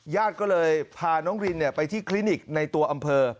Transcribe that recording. ญาติก็เลยพาน้องรินไปที่คลินิกในตัวอำเภอ